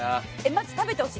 まず食べてほしい